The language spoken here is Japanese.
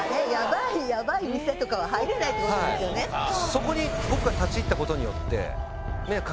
そこに僕が立ち入ったことによって。